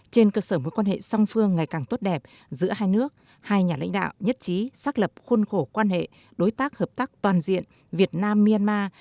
trên cơ sở mối quan hệ song phương ngày càng tốt đẹp giữa hai nước hai nhà lãnh đạo nhất trí xác lập khuôn khổ quan hệ đối tác hợp tác toàn diện việt nam myanmar